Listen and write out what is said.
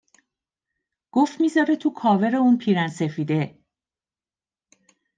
گفت می ذاره تو کاورِ اون پیرهن سفیده